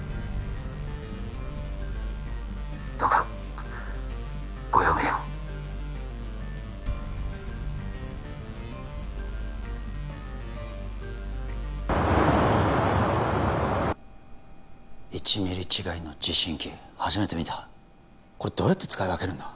どうかご用命を１ミリ違いの持針器初めて見たこれどうやって使い分けるんだ？